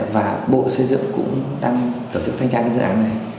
và bộ xây dựng cũng đang tổ chức thanh tra cái dự án này